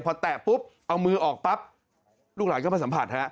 พอแตะปุ๊บเอามือออกปั๊บลูกหลานก็มาสัมผัสฮะ